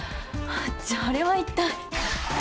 じゃあれは一体。